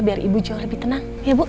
biar ibu jauh lebih tenang